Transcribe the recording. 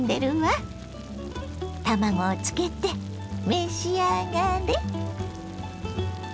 卵をつけて召し上がれ！